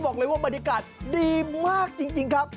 บอกเลยว่าบรรยากาศดีมากจริงครับ